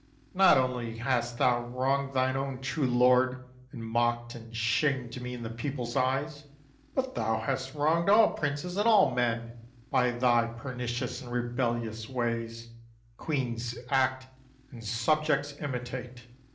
Not only hast thou wronged thine own true lord, And mocked and shamed me in the people's eyes, But thou hast wronged all princes and all men By thy pernicious and rebellious ways. Queens act and subjects imitate.